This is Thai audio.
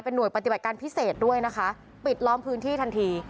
หน่วยปฏิบัติการพิเศษด้วยนะคะปิดล้อมพื้นที่ทันที